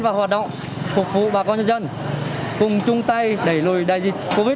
và hoạt động phục vụ bà con nhân dân cùng chung tay đẩy lùi đại dịch covid một mươi chín